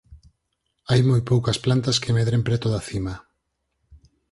Hai moi poucas plantas que medren preto da cima.